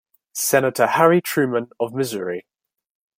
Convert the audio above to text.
Senator Harry Truman of Missouri.